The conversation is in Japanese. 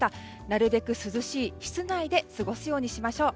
なるべく涼しい室内で過ごすようにしましょう。